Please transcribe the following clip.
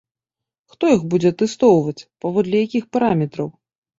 Хто іх будзе атэстоўваць, паводле якіх параметраў?